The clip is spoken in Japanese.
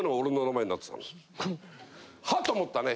ハッ！と思ったね。